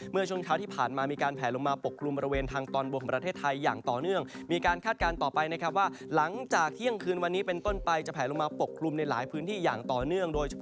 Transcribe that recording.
เมื่อช่วงเช้าที่ผ่านมามีการแผลลงมาปกครุมบริเวณทางตอนบกของประเทศไทยอย่างต่อเนื่อง